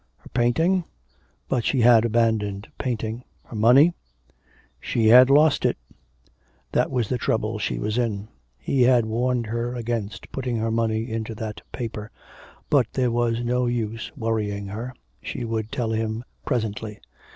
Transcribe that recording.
Her painting? But she had abandoned painting. Her money? she had lost it! ... that was the trouble she was in. He had warned her against putting her money into that paper.... But there was no use worrying her, she would tell him presently.